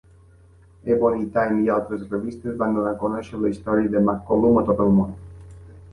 "Ebony", "Time" i altres revistes van donar a conèixer la història de McCollum a tot el món.